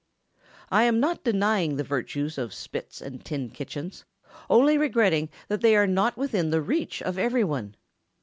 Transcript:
I am not denying the virtues of spits and tin kitchens—only regretting that they are not within the reach of every one.